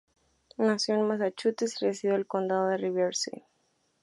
Nació en Massachusetts y residió en Condado de Riverside.